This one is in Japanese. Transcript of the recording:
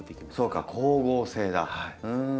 そうか光合成だ。